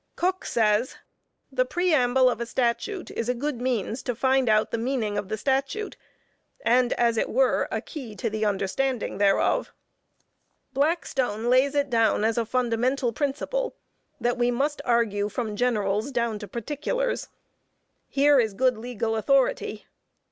Coke says, "The Preamble of a Statute is a good means to find out the meaning of the Statute, and as it were, a key to the understanding thereof." Blackstone lays it down as a fundamental principle, that we "must argue from generals down to particulars." Here is good legal authority.